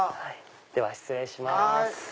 では失礼します。